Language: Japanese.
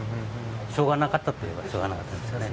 しょうがなかったといえばしょうがなかったですね。